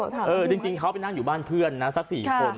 ถามแบบนี้เออจริงจริงเขาไปนั่งอยู่บ้านเพื่อนน่ะซักสี่คน